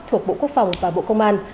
thuộc bộ quốc phòng và bộ công an